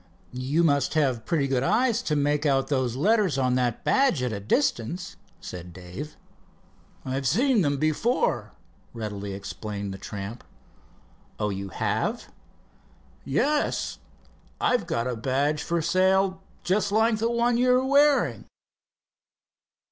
"You must have pretty good eyes to make out those letters on that badge at a distance," said Dave. "I've seen them before," readily explained the tramp. "Oh, you have?" "Yes, and I've got a badge for sale just like the one you're wearing."